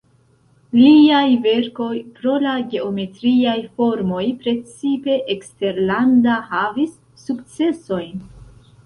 Liaj verkoj pro la geometriaj formoj precipe eksterlanda havis sukcesojn.